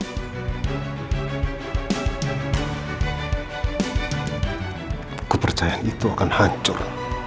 aku percaya itu akan hancur